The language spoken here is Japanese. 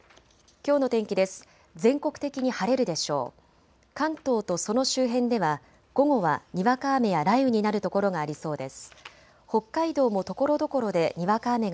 きょうの天気です。